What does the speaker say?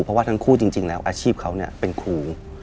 เพราะว่าทั้งคู่จริงแล้วอาชีพเขาเป็นครู